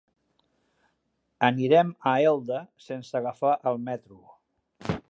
Anirem a Elda sense agafar el metro.